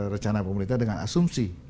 rencana pemerintah dengan asumsi